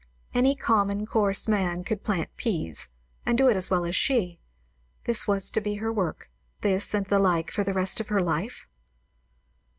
_ Any common, coarse man could plant peas, and do it as well as she; was this to be her work, this and the like, for the rest of her life?